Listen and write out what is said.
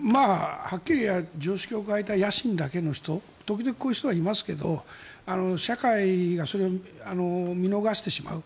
はっきり常識を欠いた野心だけの人、時々こういう人はいますけど社会が見逃してしまう。